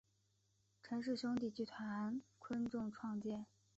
陈氏兄弟集团昆仲创建。